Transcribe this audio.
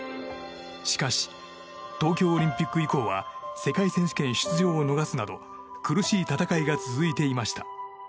しかし、東京オリンピック以降は世界選手権出場を逃すなど苦しい戦いが続いていました。